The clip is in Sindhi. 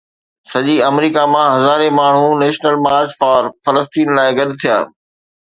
سڄي آمريڪا مان هزارين ماڻهو نيشنل مارچ فار فلسطين لاءِ گڏ ٿيا